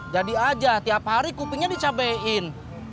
jadi aja tiap hari kupingnya dicabain